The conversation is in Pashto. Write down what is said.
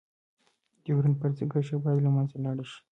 ډيورنډ فرضي کرښه باید لمنځه لاړه شی.